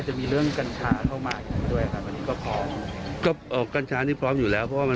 ส่วนนึงเข้ามาจากชีวิตกัญชา